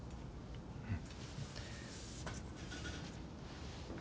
うん。